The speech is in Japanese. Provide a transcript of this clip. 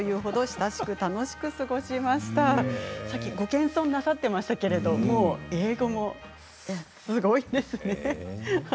さっきご謙遜されていましたけれど英語もすごいんですね。